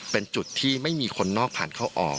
เป็นจุดที่ไม่มีคนนอกผ่านเข้าออก